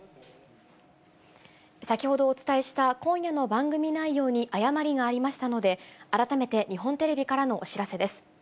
先ほどお伝えした、今夜の番組内容に誤りがありましたので、改めて日本テレビからのお知らせです。